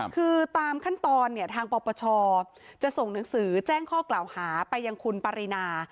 คือตามขั้นตอนเนี่ยทางปปชจะส่งหนังสือแจ้งข้อกล่าวหาไปยังคุณปรินา